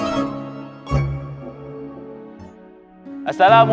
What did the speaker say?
assalamualaikum warahmatullahi wabarakatuh